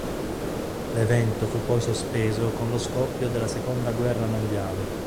L'evento fu poi sospeso con lo scoppio della seconda guerra mondiale.